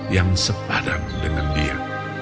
yang sepadang dengan dia